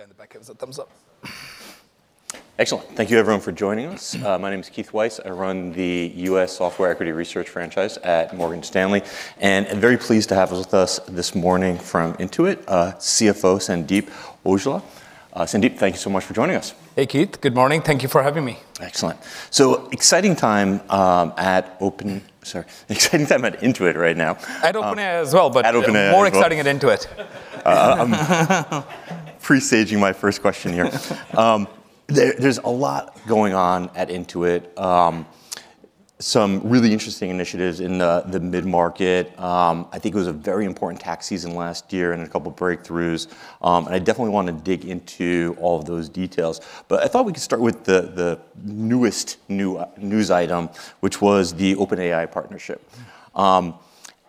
All right. The guy in the back gave us a thumbs up. Excellent. Thank you, everyone, for joining us. My name is Keith Weiss. I run the U.S. Software Equity Research franchise at Morgan Stanley. And I'm very pleased to have with us this morning from Intuit, CFO Sandeep Aujla. Sandeep, thank you so much for joining us. Hey, Keith. Good morning. Thank you for having me. Excellent. Exciting time at Intuit right now. At OpenAI as well, but more exciting at Intuit. Pre-staging my first question here. There's a lot going on at Intuit, some really interesting initiatives in the mid-market. I think it was a very important tax season last year and a couple of breakthroughs, and I definitely want to dig into all of those details, but I thought we could start with the newest news item, which was the OpenAI partnership,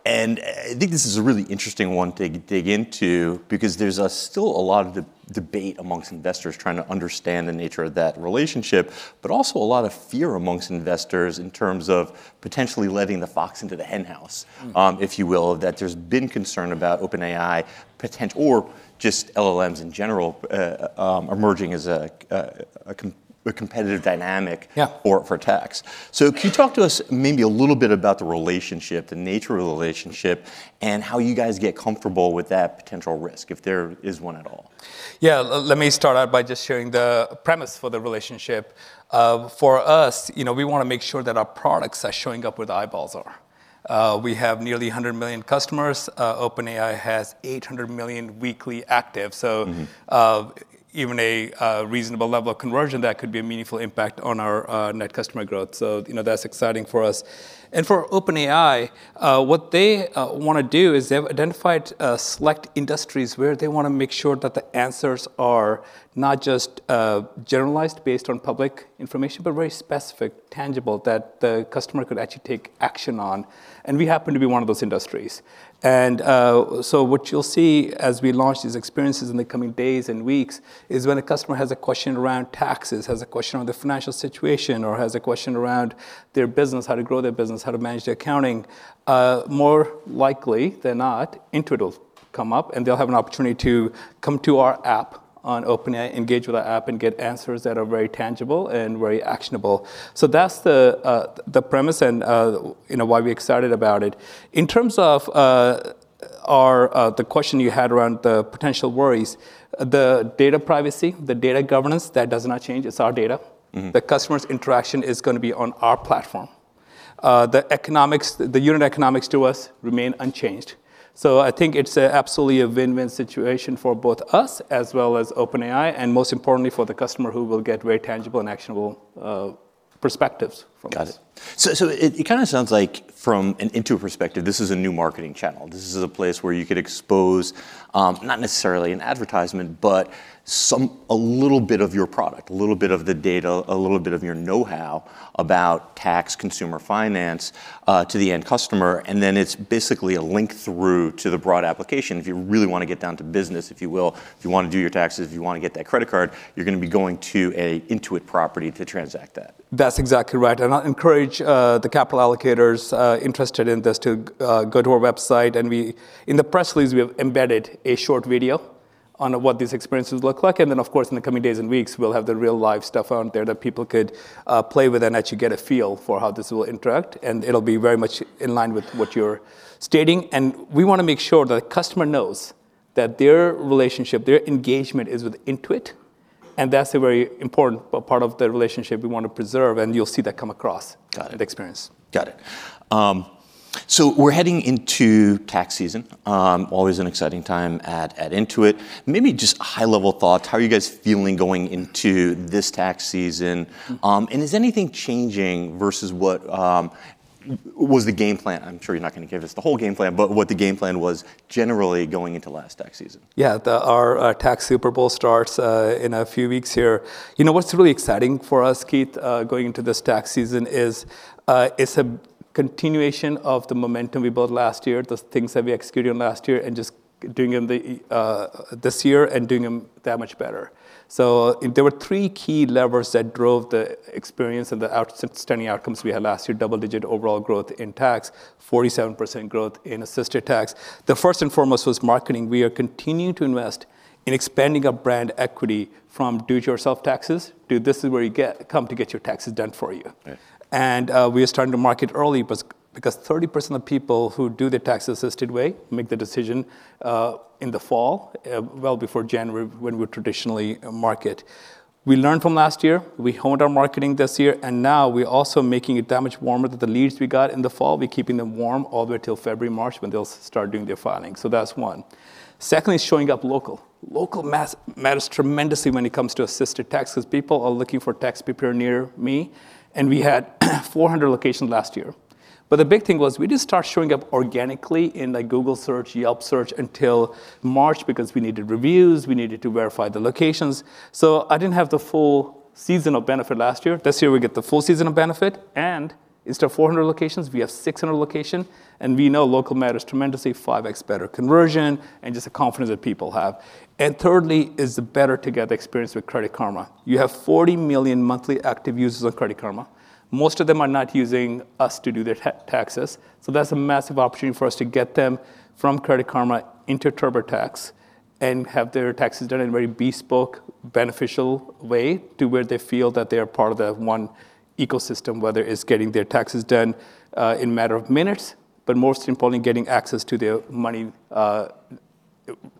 and I think this is a really interesting one to dig into because there's still a lot of debate among investors trying to understand the nature of that relationship, but also a lot of fear among investors in terms of potentially letting the fox into the hen house, if you will, that there's been concern about OpenAI potential or just LLMs in general emerging as a competitive dynamic for tax. So can you talk to us maybe a little bit about the relationship, the nature of the relationship, and how you guys get comfortable with that potential risk, if there is one at all? Yeah. Let me start out by just sharing the premise for the relationship. For us, we want to make sure that our products are showing up where the eyeballs are. We have nearly 100 million customers. OpenAI has 800 million weekly active. So even a reasonable level of conversion, that could be a meaningful impact on our net customer growth. So that's exciting for us. And for OpenAI, what they want to do is they've identified select industries where they want to make sure that the answers are not just generalized based on public information, but very specific, tangible, that the customer could actually take action on. And we happen to be one of those industries. And so what you'll see as we launch these experiences in the coming days and weeks is when a customer has a question around taxes, has a question on their financial situation, or has a question around their business, how to grow their business, how to manage their accounting, more likely than not, Intuit will come up. And they'll have an opportunity to come to our app on OpenAI, engage with our app, and get answers that are very tangible and very actionable. So that's the premise and why we're excited about it. In terms of the question you had around the potential worries, the data privacy, the data governance, that does not change. It's our data. The customer's interaction is going to be on our platform. The unit economics to us remain unchanged. So I think it's absolutely a win-win situation for both us as well as OpenAI, and most importantly, for the customer who will get very tangible and actionable perspectives from us. Got it. So it kind of sounds like from an Intuit perspective, this is a new marketing channel. This is a place where you could expose not necessarily an advertisement, but a little bit of your product, a little bit of the data, a little bit of your know-how about tax, consumer finance to the end customer. And then it's basically a link through to the broad application. If you really want to get down to business, if you will, if you want to do your taxes, if you want to get that credit card, you're going to be going to an Intuit property to transact that. That's exactly right, and I encourage the capital allocators interested in this to go to our website, and in the press release, we have embedded a short video on what these experiences look like, and then, of course, in the coming days and weeks, we'll have the real-life stuff out there that people could play with and actually get a feel for how this will interact, and it'll be very much in line with what you're stating, and we want to make sure that the customer knows that their relationship, their engagement is with Intuit, and that's a very important part of the relationship we want to preserve, and you'll see that come across in the experience. Got it. So we're heading into tax season. Always an exciting time at Intuit. Maybe just high-level thoughts, how are you guys feeling going into this tax season? And is anything changing versus what was the game plan? I'm sure you're not going to give us the whole game plan, but what the game plan was generally going into last tax season? Yeah. Our tax Super Bowl starts in a few weeks here. You know what's really exciting for us, Keith, going into this tax season is it's a continuation of the momentum we built last year, the things that we executed last year, and just doing them this year and doing them that much better. There were three key levers that drove the experience and the outstanding outcomes we had last year: double-digit overall growth in tax, 47% growth in assisted tax. The first and foremost was marketing. We are continuing to invest in expanding our brand equity from do-it-yourself taxes to this is where you come to get your taxes done for you. And we are starting to market early because 30% of people who do their tax-assisted way make the decision in the fall, well before January, when we traditionally market. We learned from last year. We honed our marketing this year. And now we're also making it that much warmer, that the leads we got in the fall, we're keeping them warm all the way till February, March, when they'll start doing their filing. So that's one. Secondly, showing up local. Local matters tremendously when it comes to assisted taxes. People are looking for tax preparer near me. And we had 400 locations last year. But the big thing was we didn't start showing up organically in Google Search, Yelp Search until March, because we needed reviews. We needed to verify the locations. So I didn't have the full season of benefit last year. This year we get the full season of benefit. And instead of 400 locations, we have 600 locations. And we know local matters tremendously, 5x better conversion, and just the confidence that people have. And thirdly is the better-together experience with Credit Karma. You have 40 million monthly active users on Credit Karma. Most of them are not using us to do their taxes. So that's a massive opportunity for us to get them from Credit Karma into TurboTax and have their taxes done in a very bespoke, beneficial way to where they feel that they are part of that one ecosystem, whether it's getting their taxes done in a matter of minutes, but most importantly, getting access to their money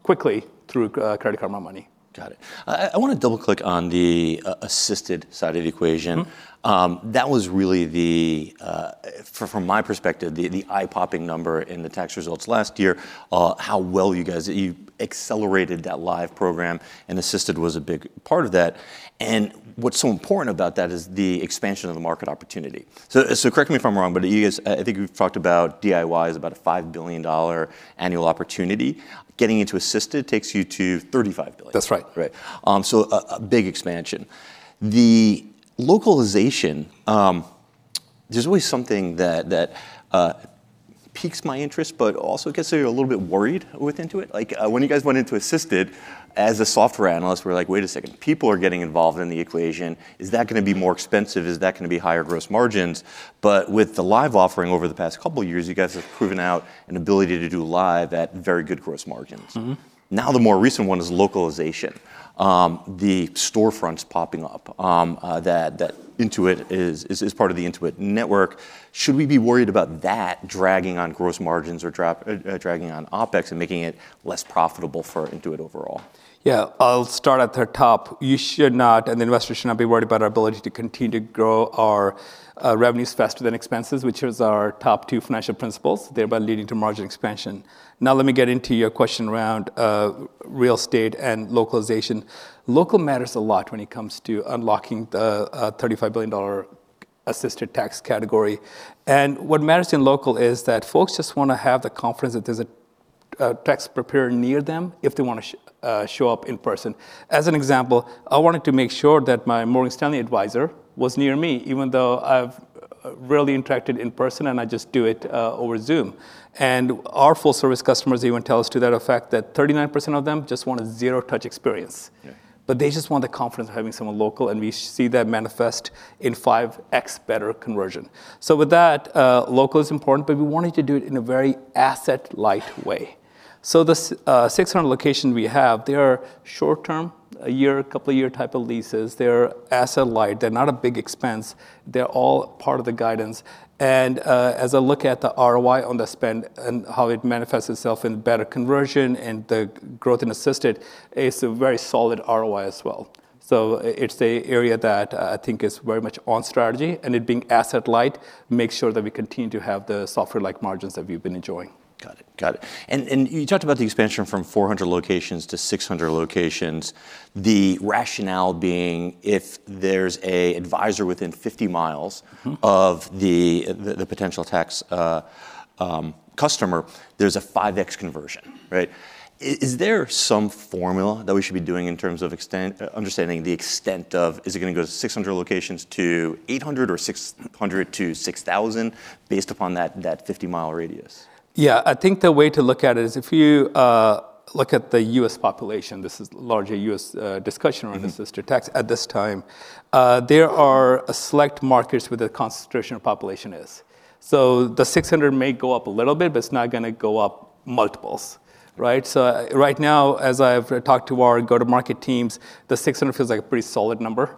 quickly through Credit Karma Money. Got it. I want to double-click on the assisted side of the equation. That was really, from my perspective, the eye-popping number in the tax results last year, how well you guys accelerated that live program, and assisted was a big part of that, and what's so important about that is the expansion of the market opportunity, so correct me if I'm wrong, but I think we've talked about DIY is about a $5 billion annual opportunity, getting into assisted takes you to $35 billion. That's right. Right, so a big expansion. The localization, there's always something that piques my interest, but also gets me a little bit worried with Intuit. When you guys went into assisted as a software analyst, we're like, wait a second. People are getting involved in the equation. Is that going to be more expensive? Is that going to be higher gross margins? But with the live offering over the past couple of years, you guys have proven out an ability to do live at very good gross margins. Now the more recent one is localization. The storefronts popping up that Intuit is part of the Intuit network. Should we be worried about that dragging on gross margins or dragging on OpEx and making it less profitable for Intuit overall? Yeah. I'll start at the top. You should not, and the investors should not be worried about our ability to continue to grow our revenues faster than expenses, which is our top two financial principles, thereby leading to margin expansion. Now let me get into your question around real estate and localization. Local matters a lot when it comes to unlocking the $35 billion assisted tax category. And what matters in local is that folks just want to have the confidence that there's a tax preparer near them if they want to show up in person. As an example, I wanted to make sure that my Morgan Stanley advisor was near me, even though I've rarely interacted in person, and I just do it over Zoom. And our full-service customers even tell us to that effect that 39% of them just want a zero-touch experience. But they just want the confidence of having someone local, and we see that manifest in 5x better conversion, so with that, local is important, but we wanted to do it in a very asset-light way, so the 600 locations we have, they are short-term, a year, a couple-year type of leases. They're asset-light. They're not a big expense. They're all part of the guidance, and as I look at the ROI on the spend and how it manifests itself in better conversion and the growth in assisted, it's a very solid ROI as well, so it's an area that I think is very much on strategy, and it being asset-light makes sure that we continue to have the software-like margins that we've been enjoying. Got it. Got it. And you talked about the expansion from 400 locations to 600 locations. The rationale being if there's an advisor within 50 mi of the potential tax customer, there's a 5x conversion, right? Is there some formula that we should be doing in terms of understanding the extent of is it going to go to 600 locations to 800 or 600 to 6,000 based upon that 50 mi radius? Yeah. I think the way to look at it is if you look at the U.S. population, this is a larger U.S. discussion around assisted tax at this time. There are select markets where the concentration of population is. So the 600 may go up a little bit, but it's not going to go up multiples. Right? So right now, as I've talked to our go-to-market teams, the 600 feels like a pretty solid number.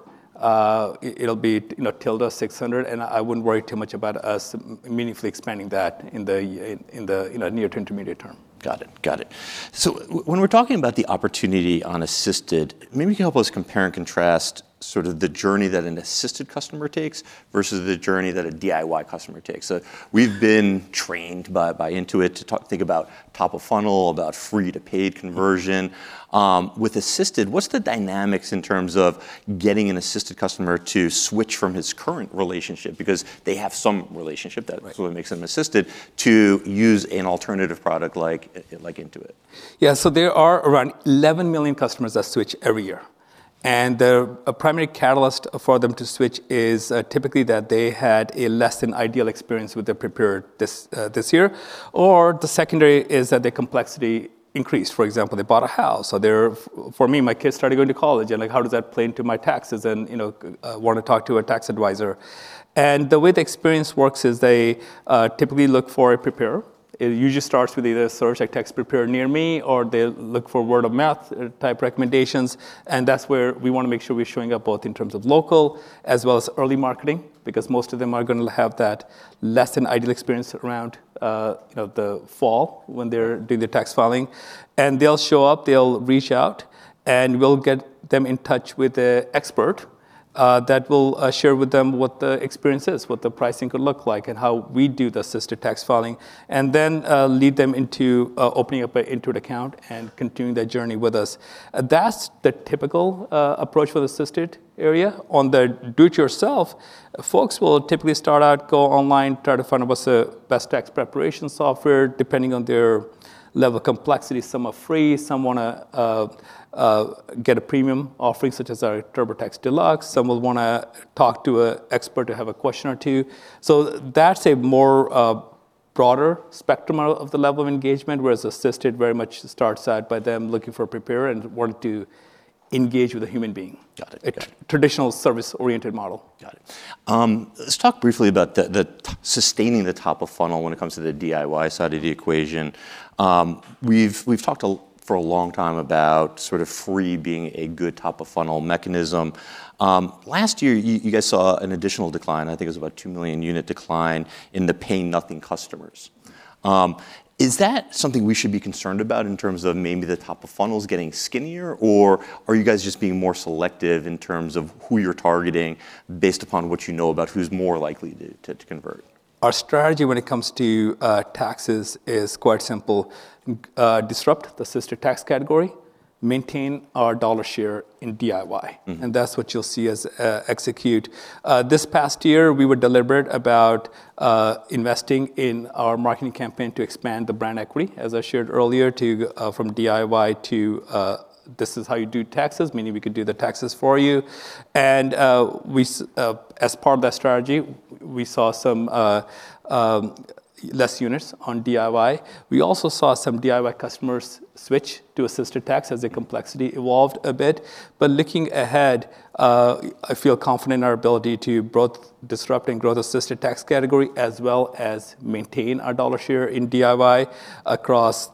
It'll be till the 600, and I wouldn't worry too much about us meaningfully expanding that in the near-to-intermediate term. Got it. Got it. So when we're talking about the opportunity on assisted, maybe you can help us compare and contrast sort of the journey that an assisted customer takes versus the journey that a DIY customer takes. So we've been trained by Intuit to think about top-of-funnel, about free-to-paid conversion. With assisted, what's the dynamics in terms of getting an assisted customer to switch from his current relationship? Because they have some relationship that sort of makes them assisted to use an alternative product like Intuit. Yeah. So there are around 11 million customers that switch every year. And the primary catalyst for them to switch is typically that they had a less-than-ideal experience with their preparer this year. Or the secondary is that their complexity increased. For example, they bought a house. So for me, my kids started going to college. And how does that play into my taxes? And I want to talk to a tax advisor. And the way the experience works is they typically look for a preparer. It usually starts with either a search like tax preparer near me, or they look for word-of-mouth type recommendations. And that's where we want to make sure we're showing up both in terms of local as well as early marketing because most of them are going to have that less-than-ideal experience around the fall when they're doing their tax filing. And they'll show up. They'll reach out, and we'll get them in touch with an expert that will share with them what the experience is, what the pricing could look like, and how we do the assisted tax filing, and then lead them into opening up an Intuit account and continuing that journey with us. That's the typical approach for the assisted area. On the do-it-yourself, folks will typically start out, go online, try to find what's the best tax preparation software, depending on their level of complexity. Some are free. Some want to get a premium offering, such as our TurboTax Deluxe. Some will want to talk to an expert to have a question or two, so that's a more broader spectrum of the level of engagement, whereas assisted very much starts out by them looking for a preparer and wanting to engage with a human being. Got it. Traditional service-oriented model. Got it. Let's talk briefly about sustaining the top-of-funnel when it comes to the DIY side of the equation. We've talked for a long time about sort of free being a good top-of-funnel mechanism. Last year, you guys saw an additional decline. I think it was about a 2 million unit decline in the paying-nothing customers. Is that something we should be concerned about in terms of maybe the top-of-funnel is getting skinnier? Or are you guys just being more selective in terms of who you're targeting based upon what you know about who's more likely to convert? Our strategy when it comes to taxes is quite simple. Disrupt the assisted tax category. Maintain our dollar share in DIY. And that's what you'll see us execute. This past year, we were deliberate about investing in our marketing campaign to expand the brand equity, as I shared earlier, from DIY to this is how you do taxes, meaning we could do the taxes for you. And as part of that strategy, we saw some less units on DIY. We also saw some DIY customers switch to assisted tax as their complexity evolved a bit. But looking ahead, I feel confident in our ability to both disrupt and grow the assisted tax category as well as maintain our dollar share in DIY across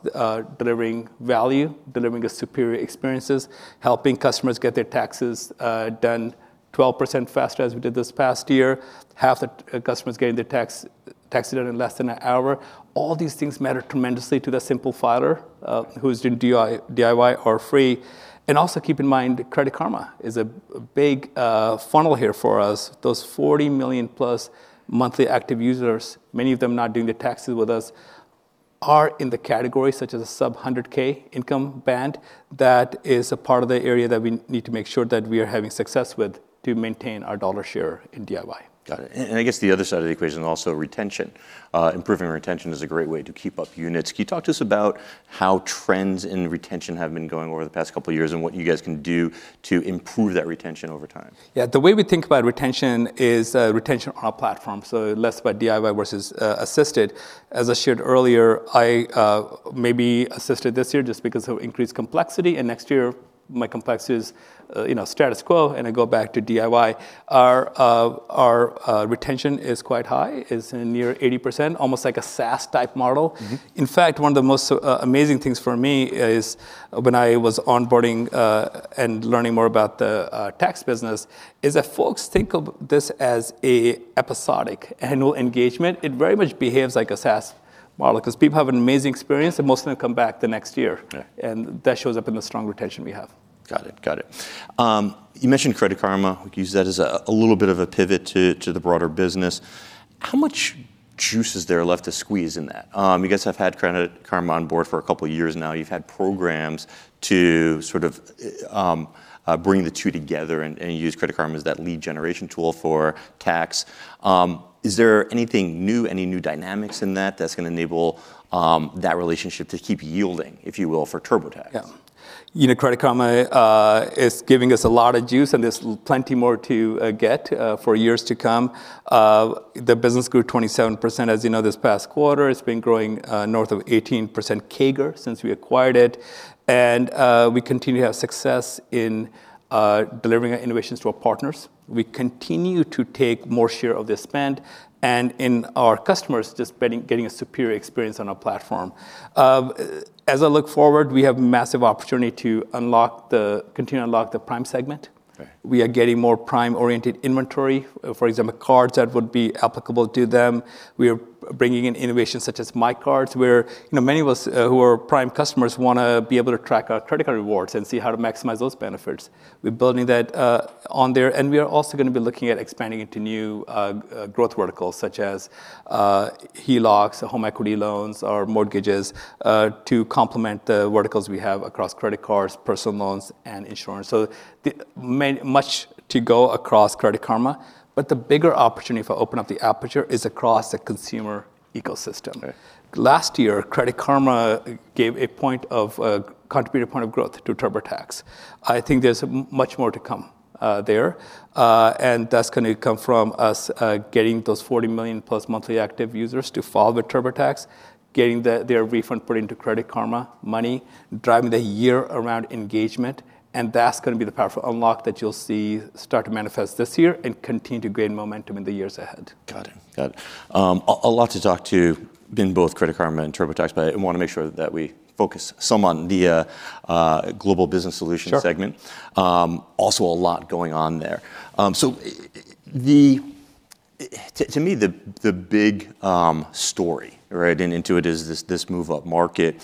delivering value, delivering superior experiences, helping customers get their taxes done 12% faster as we did this past year, half the customers getting their tax done in less than an hour. All these things matter tremendously to the simple filer who's doing DIY or free, and also keep in mind, Credit Karma is a big funnel here for us. Those 40+ million monthly active users, many of them not doing their taxes with us, are in the category such as a sub-$100K income band. That is a part of the area that we need to make sure that we are having success with to maintain our dollar share in DIY. Got it, and I guess the other side of the equation is also retention. Improving retention is a great way to keep up units. Can you talk to us about how trends in retention have been going over the past couple of years and what you guys can do to improve that retention over time? Yeah. The way we think about retention is retention on our platform. So less about DIY versus assisted. As I shared earlier, I may be assisted this year just because of increased complexity. And next year, my complexity is status quo. And I go back to DIY. Our retention is quite high. It's near 80%, almost like a SaaS-type model. In fact, one of the most amazing things for me is when I was onboarding and learning more about the tax business is that folks think of this as an episodic annual engagement. It very much behaves like a SaaS model because people have an amazing experience. And most of them come back the next year. And that shows up in the strong retention we have. Got it. Got it. You mentioned Credit Karma. We can use that as a little bit of a pivot to the broader business. How much juice is there left to squeeze in that? You guys have had Credit Karma on board for a couple of years now. You've had programs to sort of bring the two together and use Credit Karma as that lead generation tool for tax. Is there anything new, any new dynamics in that that's going to enable that relationship to keep yielding, if you will, for TurboTax? Yeah. You know, Credit Karma is giving us a lot of juice, and there's plenty more to get for years to come. The business grew 27%, as you know, this past quarter. It's been growing north of 18% CAGR since we acquired it. And we continue to have success in delivering innovations to our partners. We continue to take more share of their spend. And in our customers, just getting a superior experience on our platform. As I look forward, we have a massive opportunity to continue to unlock the prime segment. We are getting more prime-oriented inventory, for example, cards that would be applicable to them. We are bringing in innovations such as my cards, where many of us who are prime customers want to be able to track our credit card rewards and see how to maximize those benefits. We're building that on there. And we are also going to be looking at expanding into new growth verticals, such as HELOCs, home equity loans, or mortgages to complement the verticals we have across credit cards, personal loans, and insurance. So much to go across Credit Karma. But the bigger opportunity for opening up the aperture is across the consumer ecosystem. Last year, Credit Karma gave a contributing point of growth to TurboTax. I think there's much more to come there. And that's going to come from us getting those 40+ million monthly active users to file with TurboTax, getting their refund put into Credit Karma Money, driving the year-round engagement. And that's going to be the powerful unlock that you'll see start to manifest this year and continue to gain momentum in the years ahead. Got it. Got it. A lot to talk to in both Credit Karma and TurboTax. But I want to make sure that we focus some on the global business solution segment. Also, a lot going on there. So to me, the big story, right, in Intuit is this move-up market.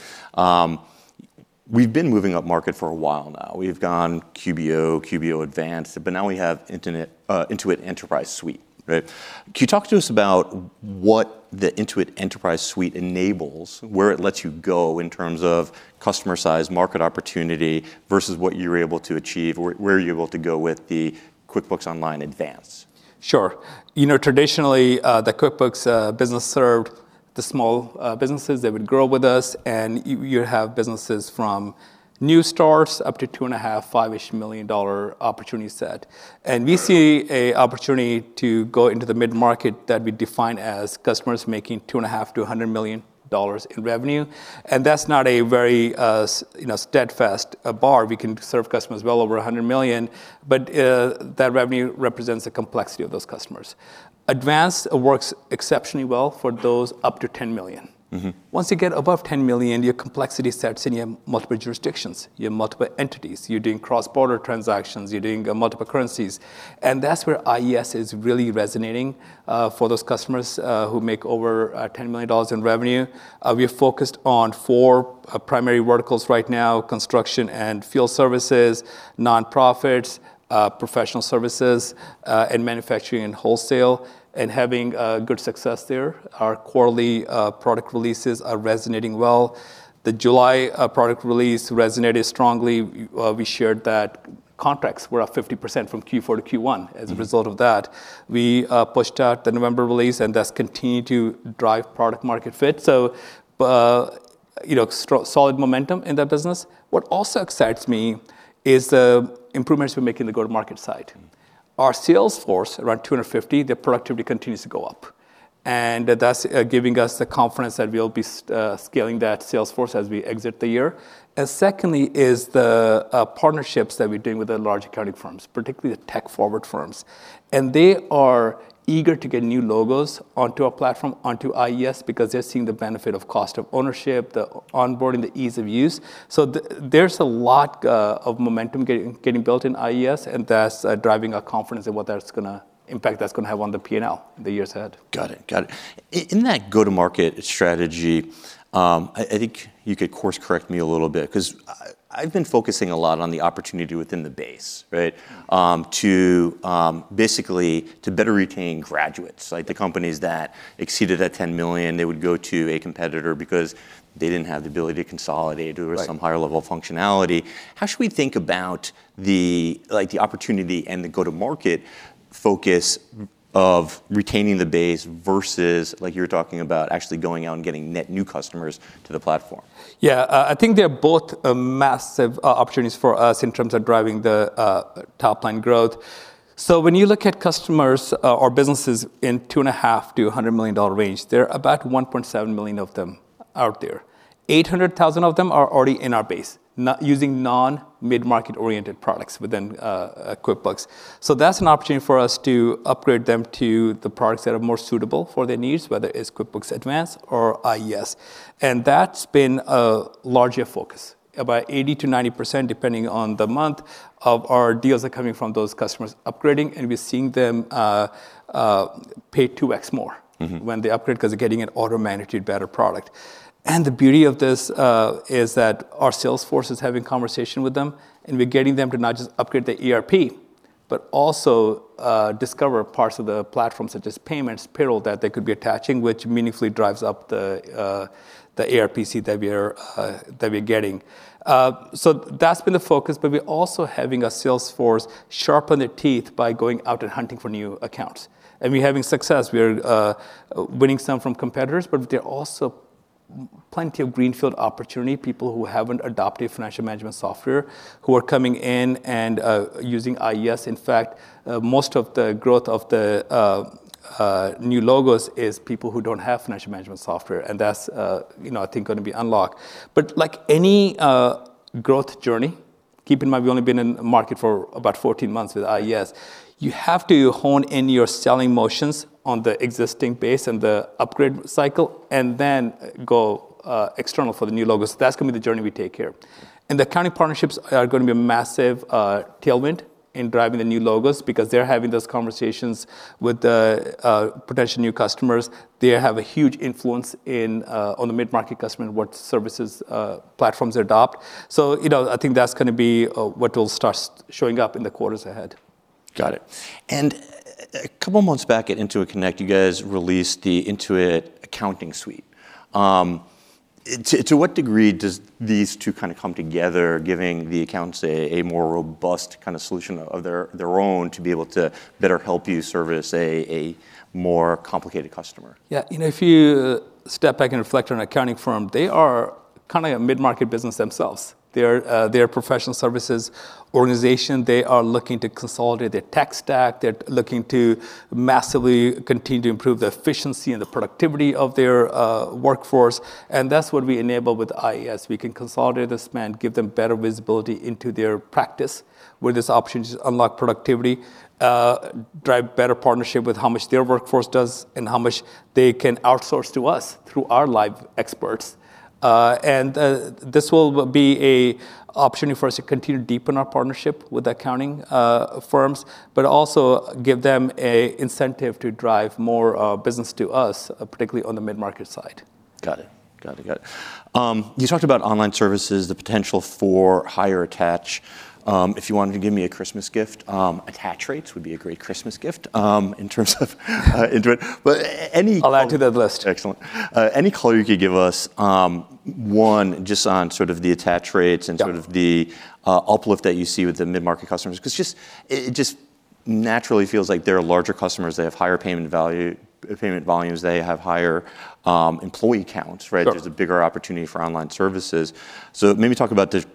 We've been moving up market for a while now. We've gone QBO, QBO Advanced. But now we have Intuit Enterprise Suite, right? Can you talk to us about what the Intuit Enterprise Suite enables, where it lets you go in terms of customer size, market opportunity versus what you're able to achieve, where you're able to go with the QuickBooks Online Advanced? Sure. You know, traditionally, the QuickBooks business served the small businesses. They would grow with us. And you have businesses from new start-ups up to $2.5 million, $5-ish million-dollar opportunity set. And we see an opportunity to go into the mid-market that we define as customers making $2.5 million-$100 million in revenue. And that's not a very steadfast bar. We can serve customers well over $100 million. But that revenue represents the complexity of those customers. Advanced works exceptionally well for those up to $10 million. Once you get above $10 million, your complexity sets in. You have multiple jurisdictions. You have multiple entities. You're doing cross-border transactions. You're doing multiple currencies. And that's where IES is really resonating for those customers who make over $10 million in revenue. We are focused on four primary verticals right now: construction and field services, nonprofits, professional services, and manufacturing and wholesale, and having good success there. Our quarterly product releases are resonating well. The July product release resonated strongly. We shared that contracts were up 50% from Q4 to Q1 as a result of that. We pushed out the November release, and that's continued to drive product-market fit, so solid momentum in that business. What also excites me is the improvements we're making in the go-to-market side. Our sales force, around 250, their productivity continues to go up, and that's giving us the confidence that we'll be scaling that sales force as we exit the year, and secondly, the partnerships that we're doing with the large accounting firms, particularly the tech-forward firms. They are eager to get new logos onto our platform, onto IES, because they're seeing the benefit of cost of ownership, the onboarding, the ease of use. There's a lot of momentum getting built in IES. That's driving our confidence in what that's going to impact, that's going to have on the P&L in the years ahead. Got it. Got it. In that go-to-market strategy, I think you could course-correct me a little bit because I've been focusing a lot on the opportunity within the base, right, to basically better retain graduates. Like the companies that exceeded that 10 million, they would go to a competitor because they didn't have the ability to consolidate or some higher-level functionality. How should we think about the opportunity and the go-to-market focus of retaining the base versus, like you were talking about, actually going out and getting net new customers to the platform? Yeah. I think they're both massive opportunities for us in terms of driving the top-line growth. So when you look at customers or businesses in $2.5 million-$100 million range, there are about 1.7 million of them out there. 800,000 of them are already in our base, using non-mid-market-oriented products within QuickBooks. So that's an opportunity for us to upgrade them to the products that are more suitable for their needs, whether it's QuickBooks Advanced or IES. And that's been a larger focus, about 80%-90%, depending on the month, of our deals that are coming from those customers upgrading. And we're seeing them pay 2x more when they upgrade because they're getting an auto-managed better product. And the beauty of this is that our sales force is having conversations with them. We're getting them to not just upgrade the ERP, but also discover parts of the platform, such as payments, payroll, that they could be attaching, which meaningfully drives up the ARPC that we're getting. That's been the focus. We're also having our sales force sharpen their teeth by going out and hunting for new accounts. We're having success. We're winning some from competitors. There are also plenty of greenfield opportunity people who haven't adopted financial management software, who are coming in and using IES. In fact, most of the growth of the new logos is people who don't have financial management software. That's, I think, going to be unlocked. Like any growth journey, keep in mind, we've only been in the market for about 14 months with IES. You have to hone in your selling motions on the existing base and the upgrade cycle, and then go external for the new logos. That's going to be the journey we take here. And the accounting partnerships are going to be a massive tailwind in driving the new logos because they're having those conversations with the potential new customers. They have a huge influence on the mid-market customer and what services platforms adopt. So I think that's going to be what will start showing up in the quarters ahead. Got it. And a couple of months back at Intuit Connect, you guys released the Intuit Accountant Suite. To what degree do these two kind of come together, giving the accounts a more robust kind of solution of their own to be able to better help you service a more complicated customer? Yeah. You know, if you step back and reflect on an accounting firm, they are kind of a mid-market business themselves. They're a professional services organization. They are looking to consolidate their tech stack. They're looking to massively continue to improve the efficiency and the productivity of their workforce. And that's what we enable with IES. We can consolidate this and give them better visibility into their practice, where there's opportunities to unlock productivity, drive better partnership with how much their workforce does and how much they can outsource to us through our live experts. And this will be an opportunity for us to continue to deepen our partnership with accounting firms, but also give them an incentive to drive more business to us, particularly on the mid-market side. Got it. You talked about online services, the potential for higher attach. If you wanted to give me a Christmas gift, attach rates would be a great Christmas gift in terms of Intuit. I'll add to that list. Excellent. Any color you could give us, one, just on sort of the attach rates and sort of the uplift that you see with the mid-market customers? Because it just naturally feels like they're larger customers. They have higher payment volumes. They have higher employee counts, right? There's a bigger opportunity for online services. So maybe talk about a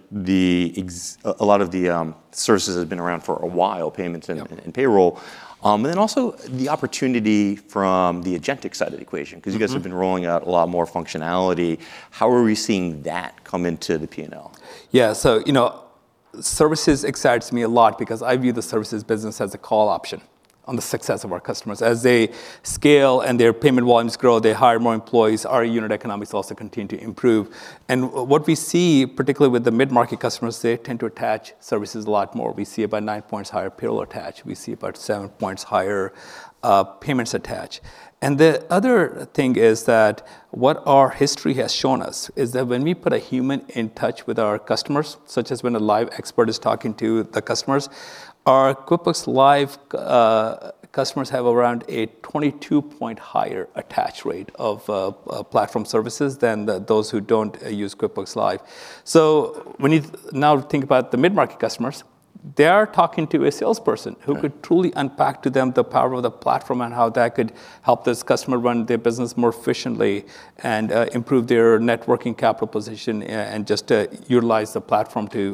lot of the services that have been around for a while, payments and payroll, but then also the opportunity from the agentic side of the equation because you guys have been rolling out a lot more functionality. How are we seeing that come into the P&L? Yeah. So you know, services excites me a lot because I view the services business as a call option on the success of our customers. As they scale and their payment volumes grow, they hire more employees. Our unit economics also continue to improve. And what we see, particularly with the mid-market customers, they tend to attach services a lot more. We see about nine points higher payroll attach. We see about seven points higher payments attach. And the other thing is that what our history has shown us is that when we put a human in touch with our customers, such as when a live expert is talking to the customers, our QuickBooks Live customers have around a 22-point higher attach rate of platform services than those who don't use QuickBooks Live. When you now think about the mid-market customers, they are talking to a salesperson who could truly unpack to them the power of the platform and how that could help this customer run their business more efficiently and improve their net working capital position and just utilize the platform to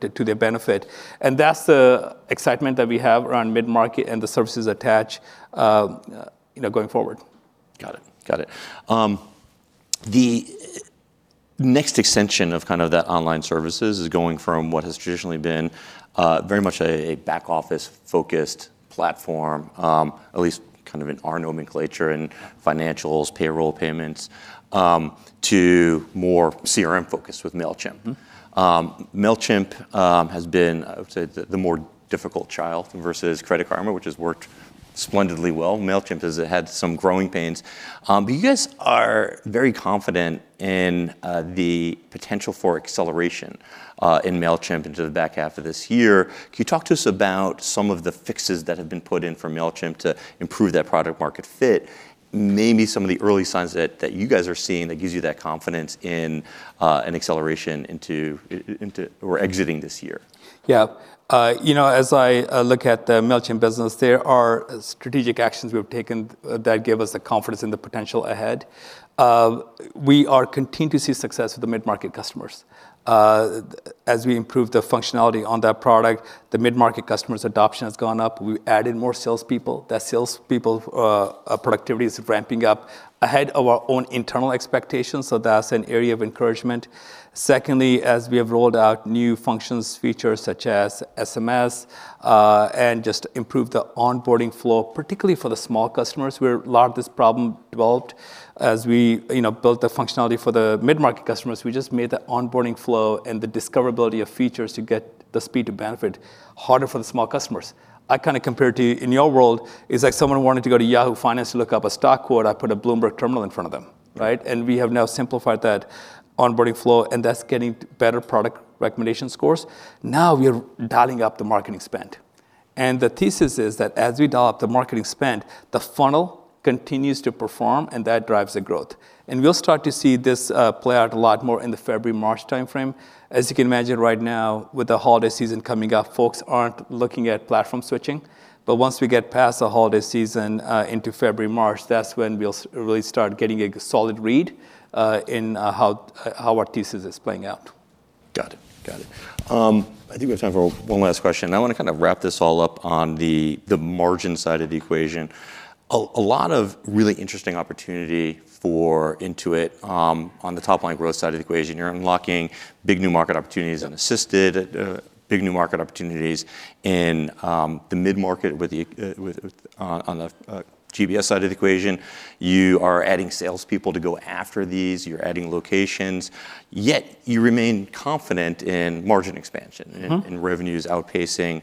their benefit. That's the excitement that we have around mid-market and the services attach going forward. Got it. Got it. The next extension of kind of that online services is going from what has traditionally been very much a back-office-focused platform, at least kind of in our nomenclature in financials, payroll, payments, to more CRM-focused with Mailchimp. Mailchimp has been, I would say, the more difficult child versus Credit Karma, which has worked splendidly well. Mailchimp has had some growing pains. But you guys are very confident in the potential for acceleration in Mailchimp into the back half of this year. Can you talk to us about some of the fixes that have been put in for Mailchimp to improve that product-market fit, maybe some of the early signs that you guys are seeing that gives you that confidence in an acceleration into or exiting this year? Yeah. You know, as I look at the Mailchimp business, there are strategic actions we've taken that give us the confidence in the potential ahead. We continue to see success with the mid-market customers. As we improve the functionality on that product, the mid-market customer's adoption has gone up. We've added more salespeople. That salespeople productivity is ramping up ahead of our own internal expectations. So that's an area of encouragement. Secondly, as we have rolled out new functions, features such as SMS, and just improved the onboarding flow, particularly for the small customers, where a lot of this problem developed as we built the functionality for the mid-market customers, we just made the onboarding flow and the discoverability of features to get the speed to benefit harder for the small customers. I kind of compare it to, in your world, it's like someone wanted to go to Yahoo Finance to look up a stock quote. I put a Bloomberg Terminal in front of them, right, and we have now simplified that onboarding flow, and that's getting better product recommendation scores. Now we are dialing up the marketing spend, and the thesis is that as we dial up the marketing spend, the funnel continues to perform, and that drives the growth, and we'll start to see this play out a lot more in the February-March time frame. As you can imagine, right now, with the holiday season coming up, folks aren't looking at platform switching, but once we get past the holiday season into February-March, that's when we'll really start getting a solid read in how our thesis is playing out. Got it. Got it. I think we have time for one last question. I want to kind of wrap this all up on the margin side of the equation. A lot of really interesting opportunity for Intuit on the top-line growth side of the equation. You're unlocking big new market opportunities and assisted big new market opportunities in the mid-market on the GBS side of the equation. You are adding salespeople to go after these. You're adding locations. Yet you remain confident in margin expansion and revenues outpacing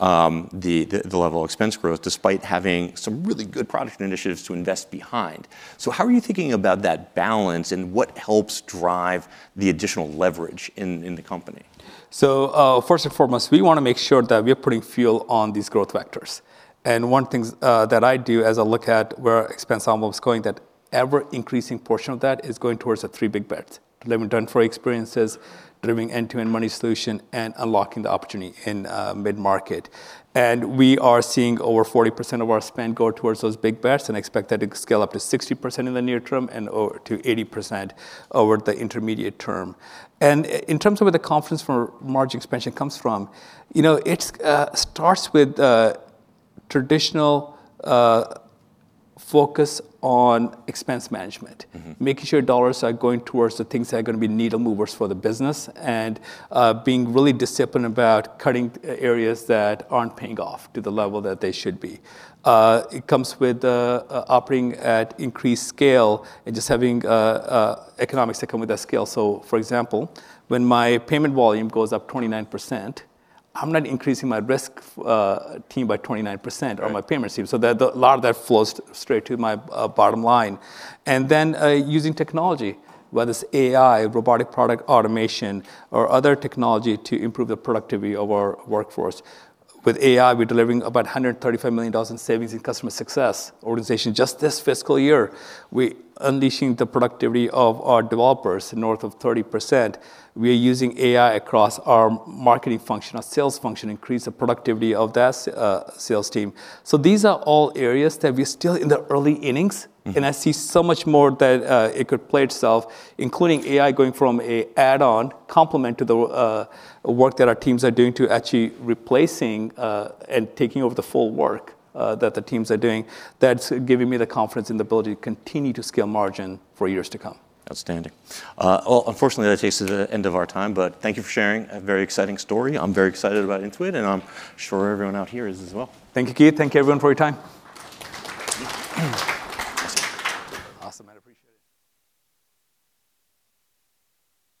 the level of expense growth, despite having some really good product initiatives to invest behind. So how are you thinking about that balance? And what helps drive the additional leverage in the company? So first and foremost, we want to make sure that we are putting fuel on these growth vectors. And one thing that I do as I look at where expenses are going, that ever-increasing portion of that is going towards the three big bets: delivering Intuit experiences, delivering end-to-end money movement solution, and unlocking the opportunity in mid-market. And we are seeing over 40% of our spend go towards those big bets and expect that to scale up to 60% in the near term and to 80% over the intermediate term. And in terms of where the confidence for margin expansion comes from, you know, it starts with traditional focus on expense management, making sure dollars are going towards the things that are going to be needle movers for the business and being really disciplined about cutting areas that aren't paying off to the level that they should be. It comes with operating at increased scale and just having economics that come with that scale, so for example, when my payment volume goes up 29%, I'm not increasing my risk team by 29% or my payments team, so a lot of that flows straight to my bottom line, and then using technology, whether it's AI, robotic product automation, or other technology to improve the productivity of our workforce. With AI, we're delivering about $135 million in savings in customer success organization just this fiscal year. We're unleashing the productivity of our developers north of 30%. We're using AI across our marketing function, our sales function, increasing the productivity of that sales team, so these are all areas that we're still in the early innings. I see so much more that it could play itself, including AI going from an add-on complement to the work that our teams are doing to actually replacing and taking over the full work that the teams are doing. That's giving me the confidence and the ability to continue to scale margin for years to come. Outstanding. Well, unfortunately, that takes us to the end of our time. But thank you for sharing a very exciting story. I'm very excited about Intuit. And I'm sure everyone out here is as well. Thank you, Keith. Thank you, everyone, for your time. Awesome. I appreciate it.